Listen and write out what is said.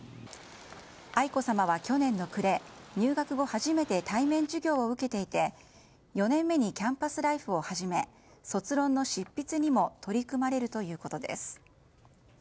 愛子さまは去年の暮れ入学後初めて対面授業を受けていて４年目にキャンパスライフを始め卒論の執筆にも取り組まれるということです。